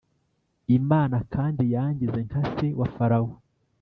Imana kandi yangize nka se wa Farawo